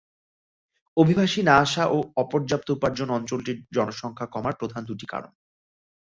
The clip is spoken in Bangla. অভিবাসী না আসা ও অপর্যাপ্ত উপার্জন অঞ্চলটির জনসংখ্যা কমার প্রধান দুটি কারণ।